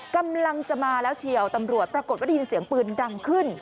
กำลังจะมาแล้วเฉียวตำรวจปรากฏว่าได้ยินเสียงปืนดังขึ้น